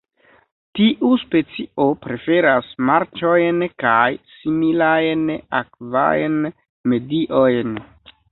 Tiu specio preferas marĉojn kaj similajn akvajn mediojn.